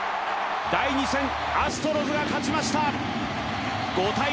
第２戦、アストロズが勝ちました。